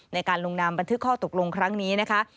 ในการลงนามบันทึกข้อตกลงครั้งนี้นะคะ